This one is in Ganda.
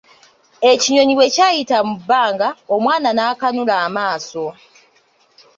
Ekinyonyi bwe kyayita mu bbanga, omwana n'akanula amaaso.